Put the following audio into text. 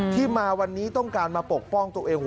ที่มาวันนี้ต้องการมาปกป้องตัวเอง